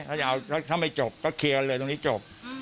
ถ้าไม่จบก็เคลียร์เลยตรงนี้จบ